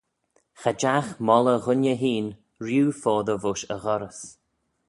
Cha jagh moylley ghooinney hene rieau foddey voish e ghorrys